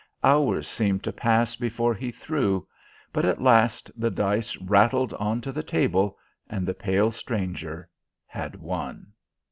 Hours seemed to pass before he threw, but at last the dice rattled on to the table, and the pale stranger had won.